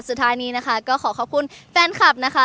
สุดท้ายนี้นะคะก็ขอขอบคุณแฟนคลับนะคะ